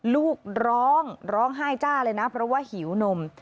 ลูกร้องร้องไห้จ้าเลยนะเพราะว่าหิวนม